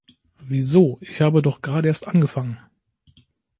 Wieso? Ich habe doch gerade erst angefangen.